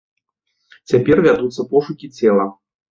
Цяпер вядуцца пошукі цела.